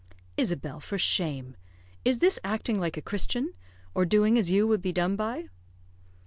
"Isabel, for shame! Is this acting like a Christian, or doing as you would be done by?"